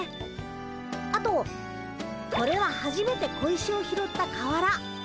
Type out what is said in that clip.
あとこれははじめて小石を拾った川原。